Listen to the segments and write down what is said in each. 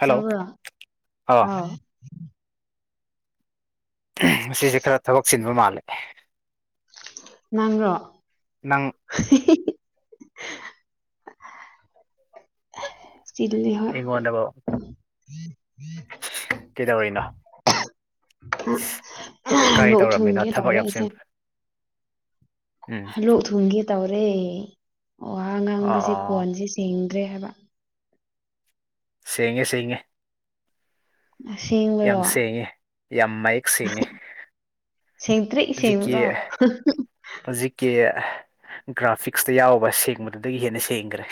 hello ꯇꯥꯕ꯭ꯔꯣ ꯑꯥ ꯍꯥꯎ ꯑꯁꯤꯁꯦ ꯈꯔ ꯊꯕꯛ ꯁꯤꯟꯕ ꯃꯥꯜꯂꯦ ꯅꯪꯔꯣ ꯅꯪ ꯆꯤꯟꯂꯦ ꯍꯣꯏ ꯑꯩꯉꯣꯟꯗꯕꯨ ꯀꯩꯗꯧꯔꯤꯅꯣ ꯀꯔꯤ ꯂꯣꯛ ꯇꯧꯔꯝꯃꯤꯅꯣ ꯊꯨꯡꯒꯦ ꯊꯕꯛ ꯇꯧꯔꯦ ꯌꯥꯝ ꯆꯤꯟ ꯑꯩꯁꯦ ꯎꯝ ꯂꯣꯀ ꯊꯨꯡꯒꯦ ꯇꯧꯔꯦ ꯋꯥ ꯉꯥꯡꯕꯁꯦ ꯑꯣ ꯈꯣꯟꯁꯦ ꯁꯦꯡ ꯍꯥꯏꯕ ꯁꯦꯡꯉꯦ ꯁꯦꯡꯉꯦ ꯌꯥꯝ ꯑꯁꯦꯡꯕꯔꯣ ꯁꯦꯡꯉꯤ ꯌꯥꯝ ꯃꯌꯦꯛ ꯁꯦꯡꯉꯤ ꯁꯦꯡꯇ꯭ꯔꯤꯛ ꯍꯧꯖꯤꯛꯀꯤ ꯁꯦꯡꯕ꯭ꯔꯣ ꯍꯧꯖꯤꯛꯀꯤ ꯒ꯭ꯔꯥꯐꯤꯛꯁꯇ ꯌꯥꯎꯕ ꯁꯦꯡꯕꯗꯨꯗꯒꯤ ꯍꯦꯟꯅ ꯁꯦꯡꯈ꯭ꯔꯦ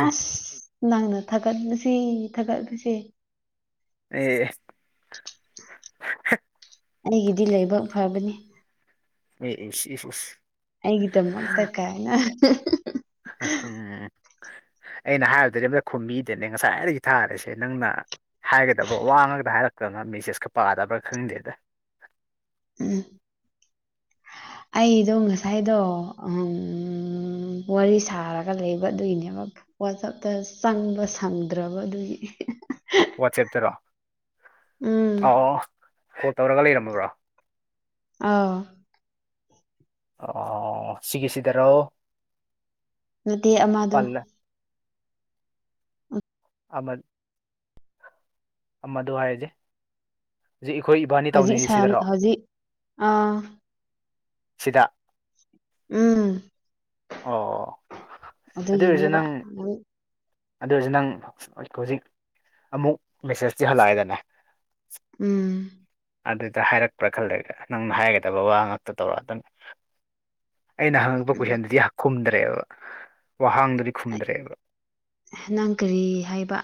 ꯑꯁ ꯅꯪꯅ ꯊꯥꯒꯠꯄꯁꯤ ꯊꯥꯒꯠꯄꯁꯤ ꯑꯦ ꯑꯩꯒꯤꯗꯤ ꯂꯥꯏꯕꯛ ꯐꯕꯅꯤ ꯏ ꯏꯁ ꯑꯩꯒꯤꯗꯃꯛꯇ ꯀꯥꯅꯅ ꯎꯝ ꯑꯩꯅ ꯍꯥꯏꯕꯗꯨꯗꯤ ꯑꯝꯗ ꯈꯨꯝꯕꯤꯗꯅꯦ ꯉꯁꯥꯏꯗꯒꯤ ꯊꯥꯔꯁꯦ ꯅꯪꯅ ꯍꯥꯏꯒꯗꯕ꯭ꯔꯥ ꯋꯥ ꯉꯥꯛꯇ ꯍꯥꯏꯔꯛꯛꯇꯗꯅ ꯃꯦꯁꯦꯁ ꯈ ꯄꯥꯗꯕ꯭ꯔꯥ ꯈꯪꯗꯦꯗ ꯎꯝ ꯑꯩꯗꯣ ꯉꯁꯥꯏꯗꯣ ꯋꯥꯔꯤ ꯁꯥꯔꯒ ꯂꯩꯕ ꯑꯗꯨꯒꯤꯅꯦꯕ ꯋꯥꯆꯞꯇ ꯆꯪꯕ ꯁꯪꯗ꯭ꯔꯕ ꯑꯗꯨꯒꯤ ꯋꯥꯆꯦꯞꯇꯔꯣ ꯎꯝ ꯑ ꯀꯣꯜ ꯇꯧꯔꯒ ꯂꯩꯔꯝꯃꯕ꯭ꯔꯣ ꯑꯧ ꯑꯧ ꯁꯤꯒꯤ ꯁꯤꯗꯔꯣ ꯅꯠꯇꯦ ꯑꯃꯗꯣ ꯑꯃ ꯑꯃꯗ ꯍꯥꯏꯔꯗꯤ ꯍꯧꯖꯤꯛ ꯏꯈꯣꯏ ꯏꯕꯥꯅꯤ ꯍꯧꯖꯤꯛ ꯇꯧꯅꯔꯤ ꯁꯥ ꯁꯤꯗꯔꯣ ꯍꯧꯖꯤꯛ ꯑꯥ ꯁꯤꯗ ꯎꯝ ꯑꯣ ꯑꯗꯨ ꯑꯣꯏꯔꯒ ꯅꯪ ꯑꯗꯨ ꯑꯣꯏꯔꯁꯨ ꯅꯪ ꯍꯧꯖꯤꯛ ꯑꯃꯨꯛ ꯃꯦꯁꯦꯁꯇꯤ ꯍꯜꯂꯛꯑꯦꯗꯅꯦ ꯎꯝ ꯑꯗꯨꯗ ꯍꯥꯏꯔꯛꯄ꯭ꯔꯥ ꯈꯜꯂꯒ ꯅꯪꯅ ꯍꯥꯏꯒꯗꯕ ꯋꯥ ꯉꯥꯛꯇ ꯇꯧꯔꯛꯑꯗꯧꯅꯤ ꯑꯩꯅ ꯍꯪꯉꯛꯄ ꯀꯣꯏꯁꯟꯗꯨꯗꯤ ꯈꯨꯝꯗ꯭ꯔꯦꯕ ꯋꯥꯍꯥꯡꯗꯨꯗꯤ ꯈꯨꯝꯗ꯭ꯔꯦꯕ ꯅꯪ ꯀꯔꯤ ꯍꯥꯏꯕ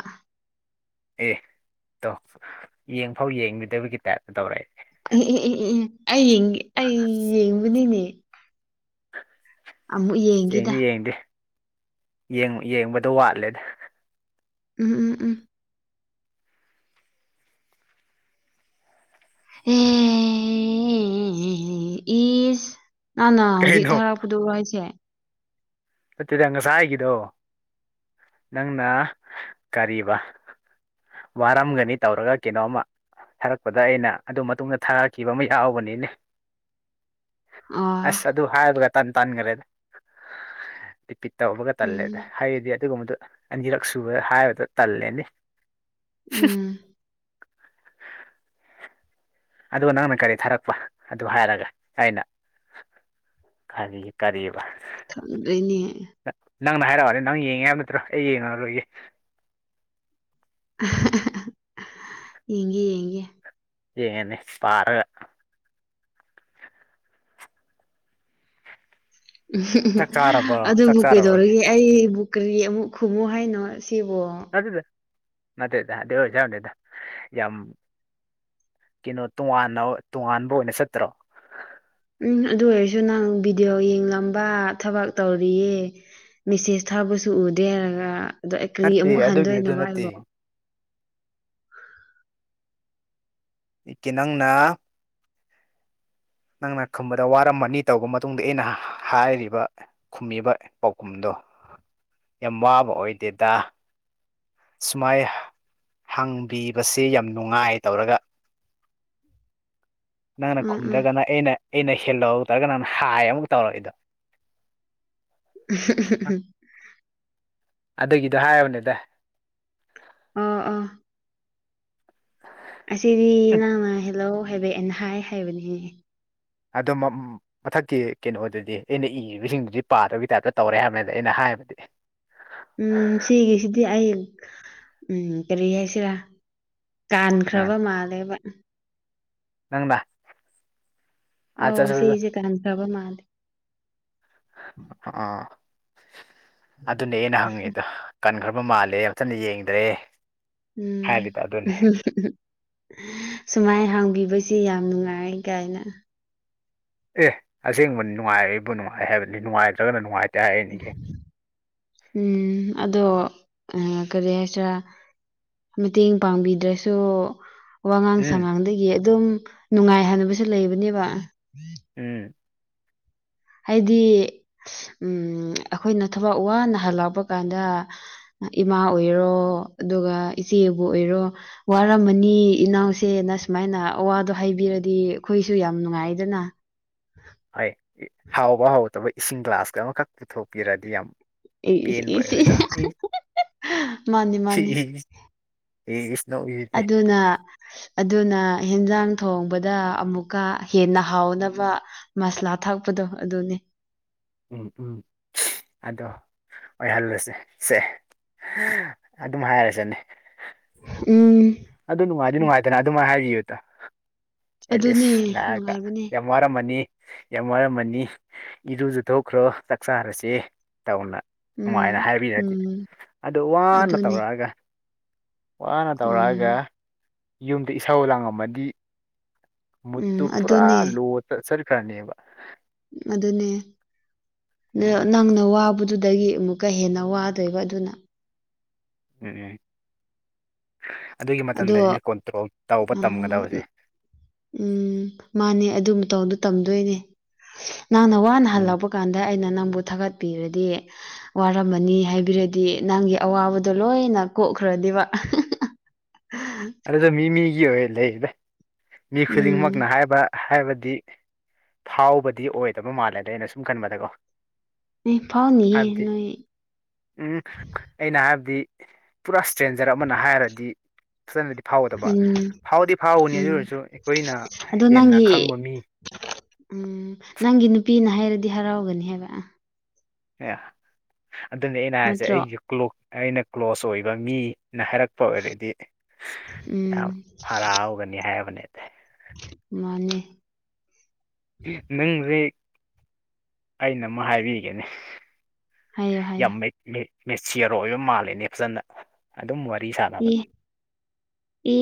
ꯑꯦ ꯇꯣ ꯌꯦꯡꯐꯥꯎ ꯌꯦꯡꯕꯤꯗꯕꯒꯤ ꯇꯥꯏꯞꯇ ꯇꯧꯔꯛꯑꯦ ꯑꯦ ꯑꯦ ꯑꯩ ꯌꯦꯡ ꯑꯩ ꯌꯦꯡꯕꯅꯤꯅꯦ [inaudible] ꯑꯃꯨꯛ ꯌꯦꯡꯒꯦꯗ ꯌꯦꯡ ꯌꯦꯡꯕꯗꯣ ꯋꯥꯠꯂꯦꯗ ꯎꯝ ꯎꯝ ꯎꯝ ꯍꯦ [unintelligible] ꯏꯁ ꯅꯪ ꯅ ꯍꯧꯖꯤꯛ ꯀꯩꯅꯣ ꯊꯥꯔꯛꯄꯗꯨꯔꯣ ꯍꯥꯏꯁꯦ ꯅꯠꯇꯦꯗ ꯉꯁꯥꯏꯒꯤꯗꯣ ꯅꯪꯅ ꯀꯔꯤꯕ ꯋꯥꯔꯝꯒꯅꯤ ꯇꯧꯔꯒ ꯀꯩꯅꯣꯝꯃ ꯊꯥꯔꯛꯄꯗ ꯑꯩꯅ ꯑꯗꯨ ꯃꯇꯨꯡꯗ ꯊꯥꯔꯛꯈꯤꯕ ꯑꯃ ꯌꯥꯎꯕꯅꯤꯅꯦ ꯑꯥ ꯑꯁ ꯑꯗꯨ ꯍꯥꯏꯕꯒ ꯇꯥꯟ ꯇꯥꯟꯈ꯭ꯔꯦꯗ ꯏꯄꯤ ꯇꯧꯕꯒ ꯇꯜꯂꯦꯗ ꯎꯝ ꯍꯥꯏꯗꯤ ꯑꯗꯨꯒꯨꯝꯕꯗꯨ ꯑꯅꯤꯔꯛ ꯁꯨꯕ ꯍꯥꯏꯕꯗꯣ ꯇꯜꯂꯦꯅꯤ ꯎꯝ [inaudible] ꯑꯗꯨꯒ ꯅꯪꯅ ꯀꯔꯤ ꯊꯥꯔꯛꯄ ꯑꯗꯨ ꯍꯥꯏꯔꯒ ꯑꯩꯅ ꯀꯔꯤ ꯀꯔꯤꯌꯦꯕ ꯈꯪꯗ꯭ꯔꯦꯅꯦ ꯅꯪꯅ ꯍꯥꯏꯔꯛꯑꯣꯅꯦ ꯅꯪ ꯌꯦꯡꯉꯦ ꯍꯥꯏꯕ ꯅꯠꯇ꯭ꯔꯣ ꯑꯩ ꯌꯦꯡꯉ ꯔꯣꯏꯒꯦ ꯑ ꯍꯥꯍꯥ ꯌꯦꯡꯒꯦ ꯌꯦꯡꯒꯦ ꯌꯦꯉꯦꯅꯦ ꯄꯥꯔꯒ ꯎꯝ ꯆꯥꯛ ꯆꯥꯔꯕꯣ ꯆꯥꯛ ꯑꯗꯨꯕꯨ ꯆꯥꯔꯨꯔꯒꯦ ꯀꯩꯗꯧꯔꯒꯦ ꯑꯩꯕꯨ ꯀꯔꯤ ꯑꯃꯨꯛ ꯈꯨꯝꯃꯨ ꯍꯥꯏꯅꯣ ꯁꯤ ꯁꯤꯕꯨ ꯅꯠꯇꯦꯗ ꯅꯠꯇꯦꯗ ꯑꯗꯨ ꯅꯠꯇꯦꯗ ꯌꯥꯝ ꯀꯩꯅꯣ ꯇꯣꯉꯥꯟꯅ ꯇꯣꯉꯥꯟꯕ ꯑꯣꯏꯅ ꯆꯠꯇ꯭ꯔꯣ ꯎꯝ ꯑꯗꯨ ꯑꯣꯏꯔꯁꯨ ꯅꯪ ꯚꯤꯗꯤꯑꯣ ꯌꯦꯡꯂꯝꯕ ꯊꯕꯛ ꯇꯧꯔꯤꯌꯦ ꯃꯤꯁꯦꯁ ꯊꯥꯕꯁꯨ ꯎꯗꯦ ꯍꯥꯏꯔꯒ ꯑꯗꯣ ꯑꯩ ꯀꯔꯤ ꯅꯠꯇꯦ ꯑꯃꯨꯛ ꯑꯗꯨꯒꯤꯗꯨ ꯍꯟꯗꯣꯏꯅꯣ ꯅꯠꯇꯦ ꯍꯥꯏꯕꯣ ꯏꯠꯀꯤ ꯅꯪꯅ ꯅꯪꯅ ꯈꯨꯝꯕꯗ ꯋꯥꯔꯝꯃꯅꯤ ꯇꯧꯔꯕ ꯃꯇꯨꯡꯗ ꯑꯩꯅ ꯍꯥꯏꯔꯤꯕ ꯈꯨꯝꯃꯤꯕ ꯄꯥꯎꯈꯨꯝꯗꯣ ꯌꯥꯝ ꯋꯥꯕ ꯑꯣꯏꯗꯦꯗ ꯁꯨꯃꯥꯏ ꯍꯪꯕꯤꯕꯁꯤ ꯌꯥꯝ ꯅꯨꯡꯉꯥꯏ ꯇꯧꯔꯒ ꯅꯪꯅ ꯎꯝ ꯎꯝ ꯈꯨꯝꯗ꯭ꯔꯒꯅ ꯑꯩꯅ ꯑꯩꯅ ꯍꯦꯜꯂꯣ ꯇꯧꯔꯒ ꯅꯪꯅ ꯍꯥꯏ ꯑꯃꯨꯛ ꯇꯧꯔꯛꯏꯗꯣ ꯑꯝꯍꯝ ꯑꯝꯍꯝ ꯗ ꯍꯥꯏꯕꯅꯤꯗ ꯑꯥ ꯑꯥ ꯑꯁꯤꯗꯤ ꯅꯪꯅ ꯍꯜꯂꯣ ꯍꯥꯏꯕꯩꯒꯤ ꯍꯥꯏ ꯍꯥꯏꯕꯅꯦ ꯍꯦ ꯑꯗꯣ ꯃꯊꯛꯀꯤ ꯀꯩꯅꯣꯗꯨꯗꯤ ꯑꯩꯅ ꯏꯔꯤꯕꯁꯤꯡꯗꯨꯗꯤ ꯄꯥꯗꯕꯒꯤ ꯇꯥꯏꯞꯇ ꯇꯧꯔꯦ ꯍꯥꯏꯕꯅꯤꯅ ꯑꯩꯅ ꯍꯥꯏ ꯍꯥꯏꯕꯗꯤ ꯎꯝ ꯁꯤꯒꯤꯁꯤꯗꯤ ꯑꯩ ꯎꯝ ꯀꯔꯤ ꯍꯥꯏꯁꯤꯔꯥ ꯎꯝ ꯀꯥꯟꯈ꯭ꯔꯕ ꯃꯥꯜꯂꯦꯕ ꯅꯪꯅ ꯑꯠꯆꯥ ꯑꯧ ꯁꯤꯁꯦ ꯀꯥꯟꯈ꯭ꯔꯕ ꯃꯥꯜꯂꯦ ꯑꯥ ꯑꯗꯨꯅꯦ ꯑꯩꯅ ꯍꯪꯉꯤꯗꯣ ꯀꯥꯟꯈ꯭ꯔꯕ ꯃꯥꯜꯂꯦ ꯐꯖꯅ ꯌꯦꯡꯗ꯭ꯔꯦ ꯎꯝ ꯍꯥꯏꯔꯤꯗꯣ ꯑꯗꯨꯅꯦ ꯁꯨꯃꯥꯏ ꯍꯪ ꯕꯤꯕꯁꯦ ꯌꯥꯝ ꯅꯨꯡꯉꯥꯏ ꯀꯥꯏꯅ ꯑꯦ ꯑꯁꯦꯡꯕ ꯅꯨꯡꯉꯥꯏꯕꯨ ꯅꯨꯡꯉꯥꯏ ꯍꯥꯏꯕꯅꯤ ꯅꯨꯡꯉꯥꯏꯇ꯭ꯔꯒꯅ ꯅꯨꯡꯉꯥꯏꯇꯦ ꯍꯥꯏꯔꯤꯅꯤ ꯀꯩꯅꯣ ꯎꯝ ꯑꯗꯣ ꯑ ꯀꯔꯤ ꯍꯥꯏꯁꯤꯔ ꯃꯇꯦꯡ ꯄꯥꯡꯕꯤꯗ꯭ꯔꯁꯨ ꯋꯥꯉꯥꯡ ꯎꯝ ꯁꯉꯥꯡꯗꯒꯤ ꯑꯗꯨꯝ ꯅꯨꯡꯉꯥꯏꯍꯕꯁꯨ ꯂꯩꯕꯅꯦꯕ ꯎꯝ ꯍꯥꯏꯗꯤ ꯎꯝ ꯑꯩꯈꯣꯏꯅ ꯊꯕꯛ ꯋꯥꯅ ꯍꯜꯂꯛꯄ ꯀꯥꯟꯗ ꯏꯃꯥ ꯑꯣꯏꯔꯣ ꯑꯗꯨꯒ ꯏꯆꯦꯕꯨ ꯑꯣꯏꯔꯣ ꯋꯥꯔꯝꯃꯅꯤ ꯏꯅꯥꯎꯁꯦ ꯑꯁꯨꯃꯥꯏꯅ ꯑꯋꯥꯗꯣ ꯍꯥꯏꯕꯤꯔꯗꯤ ꯑꯩꯈꯣꯏꯁꯨ ꯌꯥꯝ ꯅꯨꯡꯉꯥꯏꯗꯅ ꯍꯣꯏ ꯍꯥꯎꯕ ꯍꯥꯎꯗꯕ ꯏꯁꯤꯡ ꯒ꯭ꯂꯥꯁ ꯑꯃꯈꯛ ꯄꯨꯊꯣꯛꯄꯤꯔꯗꯤ ꯌꯥꯝ ꯄꯦꯟꯕ ꯑꯣꯏꯔꯣꯏꯗ꯭ꯔꯥ ꯃꯥꯅꯤ ꯃꯥꯅꯤ ꯏꯁ ꯅꯣꯛꯏꯁꯤꯗꯤ ꯑꯗꯨꯅ ꯑꯗꯨꯅ ꯏꯟꯖꯥꯡ ꯊꯣꯡꯕꯗ ꯑꯃꯨꯛꯀ ꯍꯦꯟꯅ ꯍꯥꯎꯅꯕ ꯃꯁꯂꯥ ꯊꯥꯛꯄꯗꯣ ꯑꯗꯨꯅꯦ ꯎꯝ ꯎꯝ ꯑꯗꯣ ꯑꯣꯏꯍꯜꯂꯁꯦ ꯁꯦ ꯑꯗꯨꯝ ꯍꯥꯏꯔꯁꯤꯅꯤ ꯎꯝ ꯑꯗꯨ ꯅꯨꯡꯉꯥꯏꯗꯤ ꯅꯨꯡꯉꯥꯏꯇꯅ ꯑꯗꯨꯃꯥꯏꯅ ꯍꯥꯏꯕꯤꯌꯨꯗ ꯑꯦꯂꯤꯁ ꯑꯗꯨꯅꯦ ꯂꯛꯑꯒ ꯅꯨꯡꯉꯥꯏꯕꯅꯦ ꯌꯥꯝ ꯋꯥꯃꯔꯃꯅꯤ ꯌꯥꯝ ꯋꯥꯔꯝꯃꯅꯤ ꯏꯔꯨꯖ ꯊꯣꯛꯈ꯭ꯔꯣ ꯆꯥꯛꯆꯥꯥꯔꯁꯦ ꯇꯧꯅ ꯅꯨꯡꯉꯥꯏꯅ ꯎꯝ ꯍꯥꯏꯕꯤꯔꯗꯤ ꯎꯝ ꯑꯗꯨ ꯋꯥꯅ ꯑꯗꯨꯅꯦ ꯇꯧꯔꯛꯑꯒ ꯋꯥꯅ ꯇꯧꯔꯛꯑꯒ ꯎꯝ ꯌꯨꯝꯗ ꯏꯁꯧ ꯂꯥꯡꯉꯝꯃꯗꯤ ꯃꯨꯠꯇꯨ ꯎꯝ ꯄꯨꯔꯥ ꯑꯗꯨꯅꯦ ꯂꯣꯗ ꯆꯠꯈ꯭ꯔꯅꯤꯕ ꯑꯗꯨꯅꯦ ꯎꯝ ꯅꯪꯅ ꯋꯥꯕꯨꯗꯤ ꯑꯗꯨꯗꯒꯤ ꯑꯃꯨꯛꯀ ꯍꯦꯟꯅ ꯋꯥꯗꯣꯏꯕ ꯑꯗꯨꯅ ꯎꯝ ꯑꯗꯨꯒꯤ ꯃꯇꯝꯗꯅꯦ ꯑꯗꯣ ꯀꯣꯟꯇ꯭ꯔꯣꯜ ꯇꯧꯕ ꯎꯝ ꯇꯝꯒꯗꯕꯁꯦ ꯎꯝ ꯃꯥꯅꯦ ꯑꯗꯨ ꯃꯇꯧꯗ ꯇꯝꯗꯣꯏꯅꯦ ꯅꯪꯅ ꯋꯥꯅ ꯎꯝ ꯍꯜꯂꯛꯄ ꯀꯥꯟꯗ ꯑꯩꯅ ꯅꯪ ꯕꯨ ꯊꯥꯒꯠꯄꯤꯔꯗꯤ ꯍꯥ ꯋꯥꯔꯝꯃꯅꯤ ꯍꯥꯢꯕꯤꯔꯗꯤ ꯅꯪꯒꯤ ꯑꯋꯥꯕꯗꯣ ꯂꯣꯢꯅ ꯀꯣꯛꯈ꯭ꯔ ꯑꯗꯤ ꯋꯥ ꯑꯍꯦꯍꯦ [inaudible] ꯑꯗꯨꯗ ꯃꯤ ꯃꯤꯒꯤ ꯑꯣꯏ ꯂꯩꯌꯦꯗ ꯃꯤ ꯈꯨꯗꯤꯡꯃꯛꯅ ꯎꯝ ꯍꯥꯏꯕ ꯍꯥꯏꯕꯗꯤ ꯐꯥꯎꯕꯗꯤ ꯑꯣꯏꯗꯕ ꯃꯥꯜꯂꯦꯗ ꯑꯩꯅ ꯁꯨꯝ ꯈꯟꯕꯗꯀꯣ ꯑꯦ ꯐꯥꯎꯅꯤꯌꯦ ꯍꯥꯏꯕꯗꯤ ꯅꯣꯏ ꯎꯝ ꯑꯩꯅ ꯍꯥꯏꯕꯗꯤ ꯄꯨꯔꯥ ꯁꯇ꯭ꯔꯦꯟꯖꯔ ꯑꯃꯅ ꯍꯥꯏꯔꯗꯤ ꯐꯖꯅꯗꯤ ꯐꯥꯎꯒꯗꯕ ꯎꯝ ꯐꯥꯎꯗꯤ ꯐꯥꯎꯒꯅꯤ ꯑꯗꯨ ꯎꯝ ꯑꯣꯏꯔꯁꯨ ꯑꯩꯈꯣꯏꯅ ꯑꯗꯣ ꯍꯦꯟꯅ ꯅꯪꯒꯤ ꯈꯪꯕ ꯃꯤ [inaudible] ꯎꯝ ꯅꯪꯒꯤ ꯅꯨꯄꯤꯅ ꯍꯥꯏꯔꯗꯤ ꯍꯔꯥꯎꯒꯅꯤ ꯍꯥꯏꯕ ꯑꯦ ꯑꯗꯨꯅꯤ ꯑꯩꯅ ꯍꯥꯏꯁꯦ ꯅꯠꯇ꯭ꯔꯣ ꯑꯩꯒꯤ ꯀ꯭ꯂꯣꯛ ꯑꯩꯅ ꯀ꯭ꯂꯣꯁ ꯑꯣꯏꯕ ꯃꯤ ꯅ ꯍꯥꯏꯔꯛꯄ ꯑꯣꯏꯔꯗꯤ ꯎꯝ ꯌꯥꯝ ꯍꯔꯥꯎꯒꯅꯤ ꯍꯥꯏꯕꯅꯦꯗ ꯃꯥꯅꯦ ꯅꯪ ꯔꯤꯛ ꯑꯩꯅ ꯑꯃ ꯍꯥꯏꯕꯤꯒꯦꯅꯦ ꯍꯥꯏꯌꯣ ꯍꯥꯏꯌꯣ ꯌꯥꯝ ꯃꯦ ꯃꯦ ꯃꯦꯆꯤꯌꯣꯔ ꯑꯣꯏꯕ ꯃꯥꯜꯂꯦꯅꯦ ꯐꯖꯅ ꯑꯗꯨꯝ ꯑꯣꯏ ꯏ ꯢ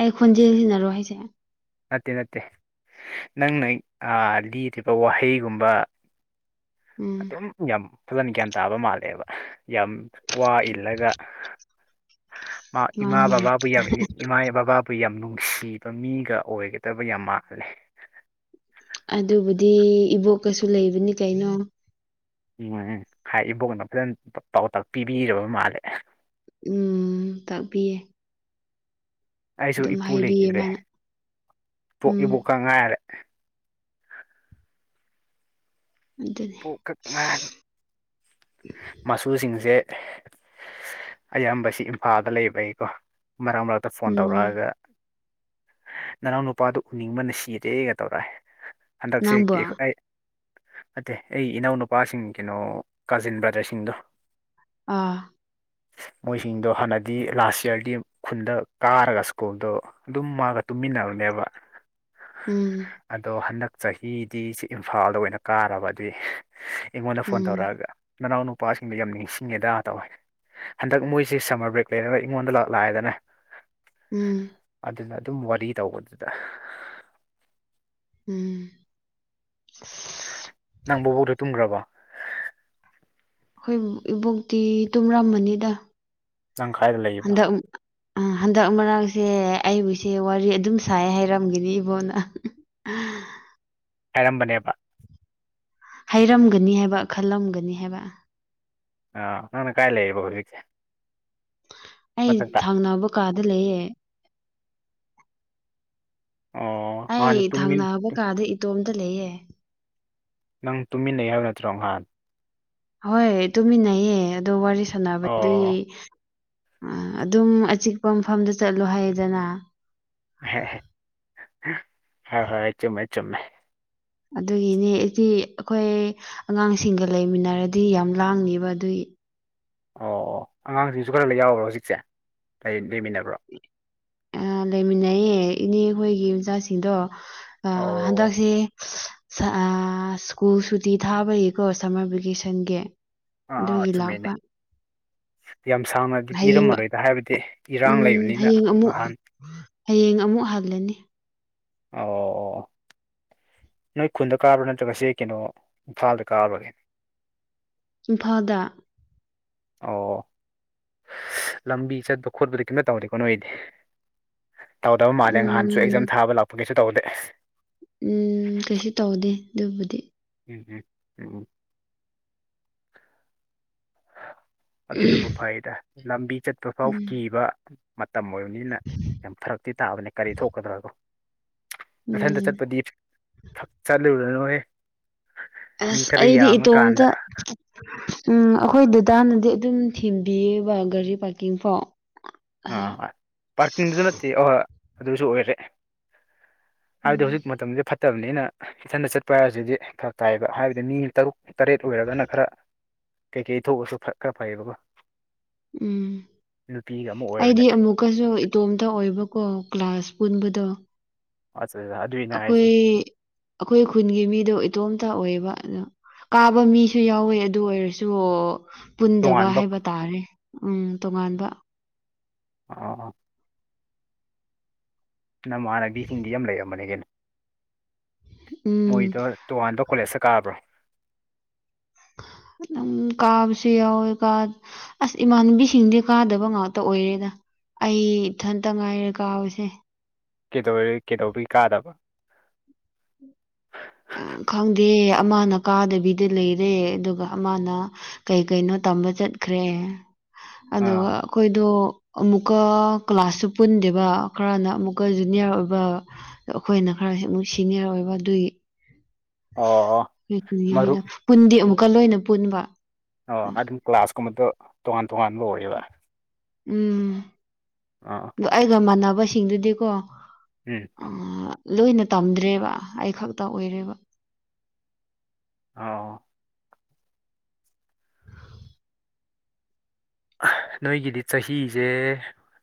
ꯑꯩ ꯈꯣꯟꯖꯦꯜ ꯁꯤꯅꯔꯣ ꯍꯥꯢꯁꯦ ꯅꯠꯇꯦ ꯅꯠꯇꯦ ꯅꯪꯅ ꯍꯦꯛ ꯑꯥ ꯂꯤꯔꯤꯕ ꯋꯥꯍꯩꯒꯨꯝꯕ ꯎꯝ ꯑꯗꯨꯝ ꯌꯥꯝ ꯐꯖꯅ ꯒ꯭ꯌꯥꯟ ꯇꯥꯕ ꯃꯥꯜꯂꯦꯕ ꯌꯥꯝ ꯋꯥ ꯏꯜꯂꯒ ꯃꯥ ꯢꯃꯥ ꯃꯥꯅꯤ ꯕꯕꯥꯕꯨ ꯌꯥꯝ ꯏꯃꯥ ꯕꯕꯥꯕꯨ ꯑꯩꯈꯣꯏ ꯌꯥꯝ ꯅꯨꯡꯁꯤꯕ ꯃꯤꯒ ꯑꯣꯏꯒꯗꯕ ꯌꯥꯝ ꯃꯥꯜꯂꯦ ꯑꯗꯨꯕꯨꯗꯤ ꯏꯕꯣꯛꯀꯁꯨ ꯂꯩꯕꯅꯤ ꯀꯩꯅꯣ ꯅꯨꯉꯥꯏꯌꯦ ꯍꯥꯏ ꯏꯕꯣꯛꯅ ꯐꯖꯅ ꯄꯥꯎꯇꯥꯛ ꯄꯤꯕꯤꯔꯕ ꯃꯥꯜꯂꯦ ꯎꯝ ꯇꯥꯛꯄꯤꯌꯦ ꯑꯩꯁꯨ ꯑꯗꯨꯝ ꯏꯄꯨ ꯍꯥꯏꯕꯤꯌꯦ ꯂꯩꯈꯤꯗ꯭ꯔꯦ ꯃꯥꯅ ꯕꯣꯛ ꯎꯝ ꯏꯕꯣꯛꯀ ꯉꯥꯏꯔꯦ ꯑꯗꯨꯅꯦ ꯢꯕꯣꯛꯈꯛ ꯉꯥꯢꯔꯦ ꯃꯁꯨꯁꯤꯡꯖꯦ ꯑꯌꯥꯝꯕ ꯁꯤ ꯏꯝꯐꯥꯜꯗ ꯂꯩꯕꯩꯀꯣ ꯃꯔꯛ ꯃꯔꯛꯇ ꯐꯣꯟ ꯎꯝ ꯇꯧꯔꯛꯑꯒ ꯅꯅꯥꯎ ꯅꯨꯄꯥꯗꯨ ꯎꯅꯤꯡꯕꯅ ꯁꯤꯔꯦꯒ ꯇꯧꯔꯛꯑꯦ ꯍꯟꯗꯛꯁꯦ ꯅꯪꯕꯣ ꯀꯦ ꯑꯩ ꯅꯠꯇꯦ ꯑꯩ ꯏꯅꯥꯎ ꯅꯨꯨꯄꯥꯁꯤꯡ ꯀꯩꯅꯣ ꯀꯥꯖꯤꯟ ꯕ꯭ꯔꯗꯔꯁꯤꯡꯗꯣ ꯑꯥ ꯃꯣꯏꯁꯤꯡꯗꯣ ꯍꯥꯟꯅꯗꯤ ꯂꯥꯁ ꯌꯔꯒꯤ ꯈꯨꯟꯗ ꯀꯥꯔꯒ ꯁ꯭ꯀꯨꯜꯗꯣ ꯑꯗꯨꯝ ꯃꯥꯒ ꯇꯨꯝ ꯃꯤꯟꯅꯕꯅꯦꯕ ꯎꯝ ꯑꯗꯣ ꯍꯟꯗꯛ ꯆꯍꯤꯗꯤ ꯁꯤ ꯏꯝꯐꯥꯜꯗ ꯑꯣꯏꯅ ꯀꯥꯔꯕ ꯑꯗꯨꯏ ꯑꯩꯉꯣꯟꯗ ꯐꯣꯟ ꯎꯝ ꯇꯧꯔꯛꯑꯒ ꯃꯅꯥꯎ ꯅꯨꯄꯥꯁꯤꯡꯗꯣ ꯌꯥꯝ ꯅꯤꯡꯁꯤꯡꯉꯦꯗ ꯇꯧꯋꯦ ꯍꯟꯗꯛ ꯃꯣꯏꯁꯦ ꯁꯝꯃꯔ ꯕ꯭ꯔꯦꯛ ꯂꯩꯔꯒ ꯑꯩꯉꯣꯟꯗ ꯂꯥ ꯂꯥꯛꯑꯦꯗꯅꯦ ꯎꯝ ꯑꯗꯨꯝ ꯋꯥꯔꯤ ꯇꯧꯕꯗꯨꯗ ꯍꯥꯍꯥ ꯎꯝ ꯅꯪ ꯕꯨꯕꯣꯛꯇꯣ ꯇꯨꯝꯒ꯭ꯔꯕꯣ ꯑꯈꯣꯏ ꯏꯕꯣꯛꯇꯤ ꯇꯨꯝꯔꯝꯃꯅꯤꯗ ꯅꯪ ꯈꯥꯏꯗ ꯂꯩꯢꯕ ꯑꯥ ꯍꯟꯗꯛ ꯃꯔꯛꯁꯦ ꯑꯩꯕꯨꯁꯦ ꯋꯥꯔꯤ ꯑꯗꯨꯝ ꯁꯥꯏꯌꯦ ꯍꯥꯏꯔꯝꯒꯅꯤ ꯏꯕꯣꯛꯅ ꯍꯥꯢꯔꯝꯕꯅꯦꯕ ꯍꯥꯏꯔꯝꯒꯅꯤ ꯍꯥꯏꯕ ꯈꯜꯂꯝꯒꯅꯤ ꯍꯥꯏꯕ ꯑꯥ ꯅꯪꯅ ꯀꯥꯏ ꯂꯩꯌꯦꯕ ꯍꯧꯖꯤꯛꯁꯦ ꯑꯩ ꯃꯊꯛꯇ ꯊꯪꯅꯥꯕ ꯀꯥꯗ ꯂꯩꯌꯦ ꯑꯣ ꯑꯩ ꯅꯍꯥꯟꯗꯤ ꯇꯨꯃꯤꯟ ꯊꯪꯅꯕ ꯀꯥꯗ ꯏꯇꯣꯝꯇ ꯂꯩꯌꯦ ꯅꯪ ꯇꯨꯝꯃꯤꯟꯅꯩꯌꯦ ꯍꯥꯏꯕ ꯅꯠꯇ꯭ꯔꯣ ꯉꯥꯍꯥꯟ ꯍꯣꯏ ꯇꯨꯃꯤꯟꯅꯩꯌꯦ ꯑꯗꯣ ꯋꯥꯔꯤ ꯁꯥꯟꯅꯕꯗꯤ ꯑꯣ ꯑꯗꯨꯝ ꯑꯆꯤꯛꯄ ꯃꯐꯝꯗ ꯆꯠꯂꯣ ꯍꯥꯏꯌꯦꯗꯅ ꯍꯦ ꯍꯦ ꯍꯣꯏ ꯍꯣꯏ ꯆꯨꯝꯃꯦ ꯆꯨꯝꯃꯦ ꯑꯗꯨꯒꯤꯅꯦ ꯑꯩꯗꯤ ꯑꯩꯈꯣꯏ ꯑꯉꯥꯡꯁꯤꯡꯒ ꯂꯩꯃꯤꯟꯅꯔꯗꯤ ꯌꯥꯝ ꯂꯥꯡꯅꯤꯕ ꯑꯗꯨꯏ ꯑꯣ ꯑꯉꯥꯡꯁꯤꯡꯁꯨ ꯈꯔ ꯌꯥꯎꯕ꯭ꯔꯣ ꯍꯧꯖꯤꯛꯁꯦ ꯑꯩ ꯂꯩꯃꯤꯟꯅꯕ꯭ꯔꯣ ꯑꯥ ꯂꯩꯃꯤꯟꯅꯩꯌꯦ ꯏꯅꯦ ꯈꯣꯏꯒꯤ ꯃꯆꯥꯁꯤꯡꯗꯣ ꯑꯥ ꯑꯣ ꯍꯟꯗꯛꯁꯦ ꯁꯥ ꯁ꯭ꯀꯨꯜ ꯁꯨꯇꯤ ꯊꯥꯕꯒꯤꯀꯣ ꯁꯝꯃꯔ ꯚꯦꯀꯦꯁꯟꯒꯤ ꯑꯥ ꯑꯥ ꯑꯗꯨꯒꯤ ꯆꯨꯝꯃꯦꯅꯦ ꯂꯥꯛꯄ ꯌꯥꯝ ꯁꯥꯡꯅꯗꯤ ꯍꯌꯦꯡ ꯄꯤꯔꯝꯃꯔꯣꯏꯗ ꯍꯥꯏꯕꯗꯤ ꯏꯔꯥꯡ ꯎꯝ ꯂꯩꯕꯅꯤꯅ ꯍꯌꯦꯡ ꯑꯃꯨꯛ ꯉꯥꯍꯟ ꯍꯌꯦꯡ ꯑꯃꯨꯛ ꯍꯜꯂꯅꯤ ꯑꯣ ꯑꯣ ꯅꯣꯏ ꯈꯨꯟꯗ ꯀꯥꯕꯔꯥ ꯅꯠꯇ꯭ꯔꯒ ꯁꯤ ꯀꯩꯅꯣ ꯏꯝꯐꯥꯜꯗ ꯀꯥꯕꯒꯤ ꯏꯝꯐꯥꯜꯗ ꯑꯣ ꯂꯝꯕꯤ ꯆꯠꯄ ꯈꯣꯠꯄꯗꯤ ꯀꯩꯝꯇ ꯇꯧꯗꯦꯀꯣ ꯅꯣꯏꯗꯤ ꯇꯧꯗꯕ ꯃꯥꯜꯂꯦ ꯅꯍꯥꯟꯁꯨ ꯎꯝ ꯑꯦꯛꯖꯥꯝ ꯊꯥꯕ ꯂꯥꯛꯄꯒꯤꯁꯨ ꯇꯧꯗꯦ ꯎꯝ ꯀꯩꯁꯨ ꯇꯧꯗꯦ ꯑꯗꯨꯕꯨꯗꯤ ꯎꯝ ꯎꯝ ꯎꯝ ꯑꯗꯨꯅꯕꯨ ꯐꯩꯗ ꯂꯝꯕꯤ ꯆꯠꯄ ꯐꯥꯎ ꯎꯝ ꯀꯤꯕ ꯃꯇꯝ ꯑꯣꯏꯕꯅꯤꯅ ꯌꯥꯝ ꯐꯔꯛꯇꯤ ꯇꯥꯕꯅꯦ ꯀꯔꯤ ꯊꯣꯛꯀꯗ꯭ꯔꯀꯣ ꯃꯊꯟꯇ ꯎꯝ ꯆꯠꯄꯗꯤ ꯈꯛ ꯆꯠꯂꯨꯔꯅꯨꯍꯦ ꯃꯤ ꯑꯁ ꯈꯔ ꯑꯩꯗꯤ ꯌꯥꯝꯃꯀꯥꯟꯗ ꯏꯇꯣꯝꯇ ꯎꯝ ꯈꯣꯏ ꯗꯥꯗꯅꯗꯤ ꯑꯗꯨꯝ ꯊꯤꯟꯕꯌꯦꯕ ꯒꯥꯔꯤ ꯄꯥꯔꯀꯤꯡꯐꯥꯎ ꯑꯥ ꯄꯥꯔꯀꯤꯡꯗꯨꯗ ꯅꯠꯇꯦ ꯑꯍꯣꯏ ꯑꯗꯨꯁꯨ ꯑꯣꯏꯔꯦ ꯍꯥꯏꯕꯗꯤ ꯎꯝ ꯍꯧꯖꯤꯛ ꯃꯇꯝꯁꯦ ꯐꯠ ꯠꯇꯕꯅꯤꯅ ꯏꯊꯟꯗ ꯆꯠꯄ ꯍꯥꯏꯕꯁꯤꯗꯤ ꯐꯔꯛ ꯇꯥꯏꯌꯦꯕ ꯍꯥꯏꯕꯗꯤ ꯃꯤ ꯇꯔꯨꯛ ꯇꯔꯦꯠ ꯑꯣꯏꯔꯒꯅ ꯈꯔ ꯀꯩꯀꯩ ꯊꯣꯛꯑꯁꯨ ꯈꯔ ꯐꯩꯌꯦꯕꯀꯣ ꯎꯝ ꯅꯨꯄꯤꯒ ꯑꯃ ꯑꯩꯗꯤ ꯑꯣꯏꯕꯅꯦ ꯑꯃꯨꯛꯀꯁꯨ ꯏꯇꯣꯝꯇ ꯑꯣꯏꯕꯀꯣ ꯀ꯭ꯂꯥꯁ ꯄꯨꯅꯕꯗꯣ ꯑꯗꯨꯗ ꯑꯗꯨꯏꯅꯦ ꯍꯥꯏꯁꯦ ꯑꯈꯣꯏ ꯑꯈꯣꯏ ꯈꯨꯟꯒꯤ ꯃꯤꯗꯣ ꯏꯇꯣꯝ ꯇꯥ ꯑꯣꯏꯕ ꯑꯗ ꯀꯥꯕ ꯃꯤꯁꯨ ꯌꯥꯎꯋꯦ ꯑꯗꯨ ꯑꯣꯏꯔꯁꯨ ꯄꯨꯟꯗꯕ ꯇꯣꯉꯥꯟꯕ ꯍꯥꯏꯕ ꯇꯥꯔꯦ ꯎꯝ ꯇꯣꯉꯥꯟꯕ ꯑꯥ ꯑꯥ ꯅꯃꯥꯟꯅꯕꯤꯁꯤꯡꯗꯤ ꯌꯃ ꯂꯩꯔꯝꯃꯥꯅꯦ ꯀꯩꯅꯣ ꯎꯝ ꯃꯣꯏꯗꯣ ꯇꯣꯉꯥꯟꯕ ꯀꯣꯂꯦꯖꯇ ꯀꯥꯕ꯭ꯔꯣ [inaudible] ꯑꯗꯨꯝ ꯀꯥꯕꯁꯨ ꯌꯥꯎꯋꯦ ꯀꯥ ꯑꯁ ꯏꯃꯥꯟꯅꯕꯤꯁꯤꯡꯗꯤ ꯀꯥꯗꯕ ꯉꯥꯛꯇ ꯑꯣꯏꯌꯦꯗ ꯑꯩ ꯏꯊꯟꯇ ꯉꯥꯏꯔꯦ ꯀꯥꯕꯁꯦ ꯀꯩꯗꯧꯋꯦ ꯀꯩꯗꯧꯕꯒꯤ ꯀꯥꯗꯕ ꯈꯪꯗꯦ ꯑꯃꯅ ꯀꯥꯗꯕꯤꯗ ꯂꯩꯔꯦ ꯑꯗꯨꯒ ꯑꯃꯅ ꯀꯩ ꯀꯩꯅꯣ ꯇꯝꯕ ꯆꯠ ꯆꯠꯈ꯭ꯔꯦ ꯑꯗꯨꯒ ꯑꯥ ꯑꯈꯣꯏꯗꯣ ꯑꯃꯨꯛꯀ ꯀ꯭ꯂꯥꯁꯁꯨ ꯄꯨꯟꯗꯦꯕ ꯈꯔꯅ ꯑꯃꯨꯛꯀ ꯖꯨꯅꯤꯌꯔ ꯑꯣꯏꯕ ꯑꯈꯣꯏꯅ ꯈꯔꯁꯨ ꯃꯨꯛ ꯁꯤꯅꯤꯌꯔ ꯑꯣꯏꯕ ꯑꯗꯨꯏ ꯑꯣ ꯑꯣ ꯃꯔꯨꯞ [unintelligible] ꯄꯨꯟꯗꯤ ꯑꯃꯨꯛꯀ ꯂꯣꯏꯅ ꯄꯨꯟꯕ ꯑꯣ ꯑꯗꯨꯝ ꯀ꯭ꯂꯥꯁꯀꯨꯝꯕꯗꯣ ꯇꯣꯉꯥꯟ ꯇꯣꯉꯥꯟꯕ ꯑꯣꯏꯌꯦꯕ ꯎꯝ ꯑꯥ ꯗꯣ ꯑꯩꯒ ꯃꯥꯟꯅꯕꯁꯤꯡꯗꯨꯗꯤꯀꯣ ꯎꯝ ꯑꯥ ꯂꯣꯏꯅ ꯇꯝꯗ꯭ꯔꯦꯕ ꯑꯩ ꯈꯛꯇ ꯑꯣꯏꯔꯦꯕ ꯑꯥ ꯅꯣꯏꯒꯤꯗꯤ ꯆꯍꯤꯁꯦ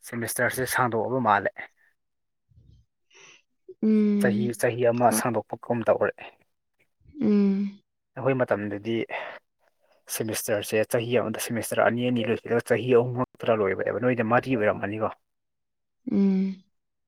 ꯁꯦꯃꯤꯁꯇꯔꯁꯦ ꯁꯥꯡꯗꯣꯛꯑꯕ ꯃꯥꯜꯂꯦ ꯆꯍꯤ ꯎꯝ ꯆꯍꯤ ꯑꯃ ꯈꯔ- ꯁꯥꯡꯗꯣꯛꯄꯒꯨꯝ ꯇꯧꯔꯦ ꯎꯝ ꯑꯩꯈꯣꯏ ꯃꯇꯝꯗꯗꯤ ꯁꯦꯃꯤꯁꯇꯔꯁꯦ ꯆꯍꯤ ꯑꯃꯗ ꯁꯦꯃꯤꯁꯇꯔ ꯑꯅꯤ ꯑꯅꯤ ꯂꯣꯏꯁꯤꯜꯂꯒ ꯆꯍꯤ ꯑꯍꯨꯝꯃꯛꯇ ꯂꯣꯏꯕꯅꯦꯕ ꯅꯣꯏꯗꯤ ꯃꯔꯤ ꯑꯣꯏꯔꯝ ꯃꯅꯤꯀꯣ ꯎꯝ